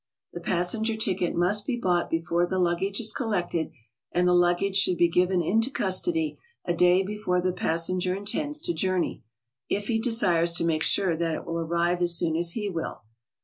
The passenger ticket must be bought before the luggage is collected, and the luggage should be given into custody a day before the possenger in tends to journey, if he desires to make sure that it will ar rive as soon as he will.